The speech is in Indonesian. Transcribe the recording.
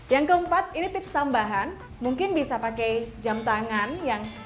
yang keempat ini tips tambahan mungkin bisa pakai jam tangan yang